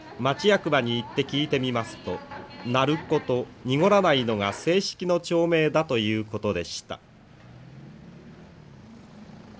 町役場に行って聞いてみますと「なるこ」と濁らないのが正式の町名だということでした。